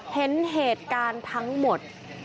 เห็นเหตุการณ์ทั้งหมด